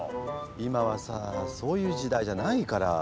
今はさそういう時代じゃないから。